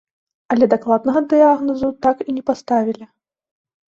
Але дакладнага дыягназу так і не паставілі.